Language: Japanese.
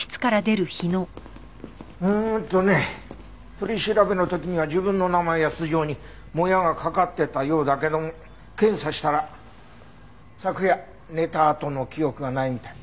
うーんとね取り調べの時には自分の名前や素性にモヤがかかってたようだけども検査したら昨夜寝たあとの記憶がないみたい。